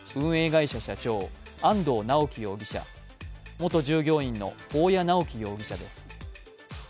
会社社長、安藤巨樹容疑者、元従業員の保谷直紀容疑者です。